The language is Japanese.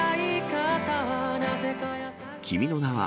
君の名は。